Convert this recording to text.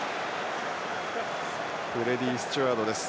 フレディー・スチュワードです。